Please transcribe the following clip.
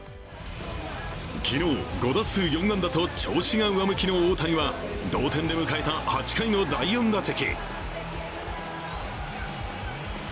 昨日、５打数４安打と調子が上向きの大谷は同点で迎えた８回の第４打席。